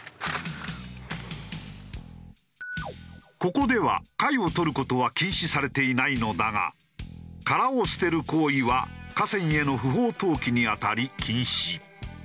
ここでは貝を採る事は禁止されていないのだが殻を捨てる行為は河川への不法投棄にあたり禁止。